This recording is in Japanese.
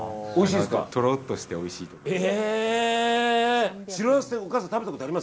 とろっとしておいしいと思います。